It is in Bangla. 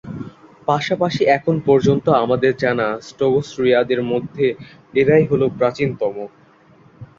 পাশাপাশি এখনও পর্যন্ত আমাদের জানা "স্টেগোসরিয়া"দের মধ্যে এরাই হল প্রাচীনতম।